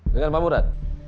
dengan pak murad